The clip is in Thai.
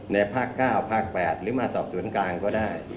ภาค๙ภาค๘หรือมาสอบสวนกลางก็ได้